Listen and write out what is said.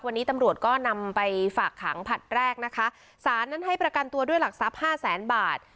วันนี้ตำรวจก็นำไปฝากขังผลัดแรกนะคะสารนั้นให้ประกันตัวด้วยหลักทรัพย์ห้าแสนบาท